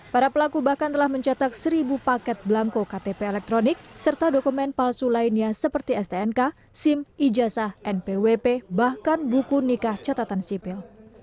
para pelaku bahkan telah mencetak seribu paket belangko ktp elektronik serta dokumen palsu lainnya seperti stnk sim ijazah npwp bahkan buku nikah catatan sipil